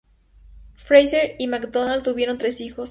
Fraser y McDonald tuvieron tres hijos.